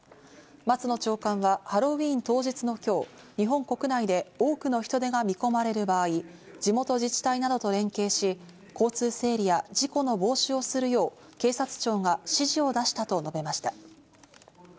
松野長官はハロウィーン当日の今日、日本国内で多くの人出が見込まれる場合、地元自治体などと連携し、交通整理や事故の防止をするよう警察庁が指示を出したと述べました。